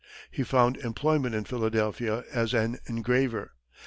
He found employment in Philadelphia as an engraver.